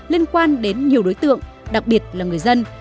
liên quan đến nhiều đối tượng đặc biệt là người dân